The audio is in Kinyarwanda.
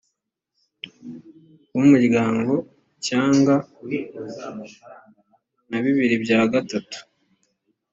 w umryango cyangwa na bibiri bya gatatu